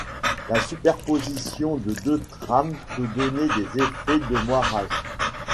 La superposition de deux trames peut donner des effets de moirage.